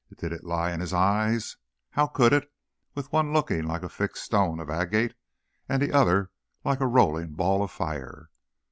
Did it lie in his eyes? How could it, with one looking like a fixed stone of agate and the other like a rolling ball of fire?